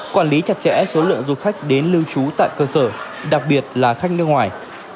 quản lý chặt chẽ số lượng du khách đến lưu trú tại cơ sở đặc biệt là khách nước ngoài